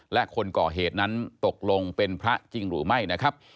และคนก่อเหตุนั้นตกลงเป็นพระจริงหรือไม่นะครับ